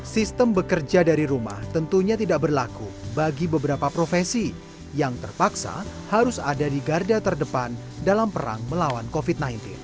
sistem bekerja dari rumah tentunya tidak berlaku bagi beberapa profesi yang terpaksa harus ada di garda terdepan dalam perang melawan covid sembilan belas